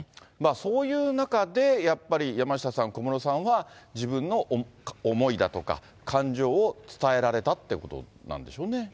そういう中で、やっぱり山下さん、小室さんは、自分の思いだとか、感情を伝えられたっていうことなんでしょうね。